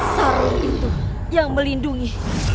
sarung itu yang melindungi